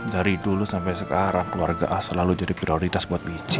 dari dulu sampe sekarang keluarga a selalu jadi prioritas buat michi